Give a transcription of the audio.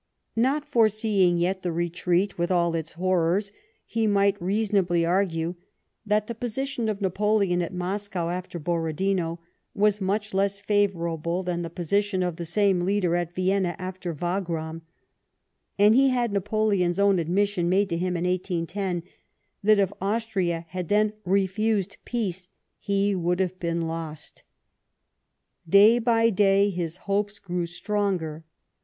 Not foreseeing yet the retreat with all its horrors, he might reasonably argue that the position of Napoleon at jNIoscow after Borodino was much less favourable than the position of the same leader at Vienna after Wagram ; and he had Napoleon's own admission, made to him in 1810, that if Austria had then refused peace he would have been lost. Day by day his hopes grew stronger.